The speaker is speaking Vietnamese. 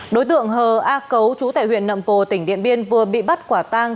đối tượng hờ a cấu chú tại huyện nậm pồ tỉnh điện biên vừa bị bắt quả tang